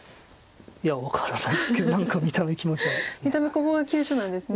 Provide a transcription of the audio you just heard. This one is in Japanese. いや分からないですけど何か見た目気持ち悪いです。